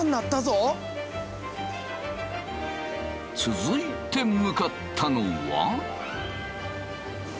続いて向かったのは。